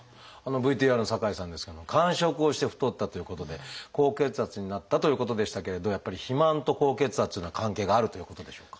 ＶＴＲの酒井さんですけれども間食をして太ったということで高血圧になったということでしたけれどやっぱり肥満と高血圧というのは関係があるということでしょうか？